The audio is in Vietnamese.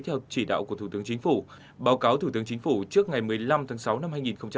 theo chỉ đạo của thủ tướng chính phủ báo cáo thủ tướng chính phủ trước ngày một mươi năm tháng sáu năm hai nghìn hai mươi